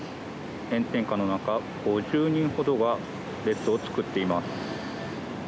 炎天下の中、５０人ほどが列を作っています。